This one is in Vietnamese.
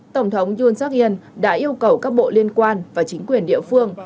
tổng thống yoon seok hyun đã yêu cầu các bộ liên quan và chính quyền địa phương